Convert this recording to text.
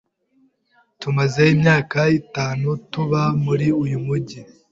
Tumaze imyaka itanu tuba muri uyu mujyi.